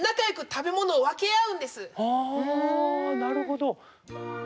ああなるほど。